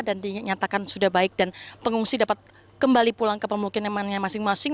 dan dinyatakan sudah baik dan pengungsi dapat kembali pulang ke pemuluh kemuliaan masing masing